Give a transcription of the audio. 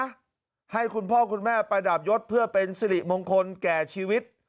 ให้คุณพ่อคุณแม่ประดับยศเพื่อเป็นสิริมงคลแก่ชีวิต